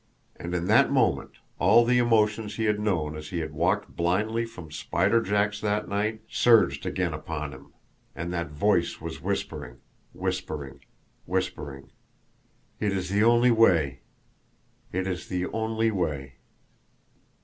And in that moment all the emotions he had known as he had walked blindly from Spider Jack's that night surged again upon him; and that voice was whispering, whispering, whispering: "It is the only way it is the only way."